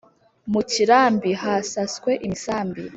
mu kirambi hasaswe imisambi